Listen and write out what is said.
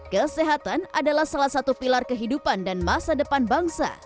kesehatan adalah salah satu pilar kehidupan dan masa depan bangsa